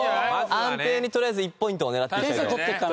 安定にとりあえず１ポイントを狙っていきたいと。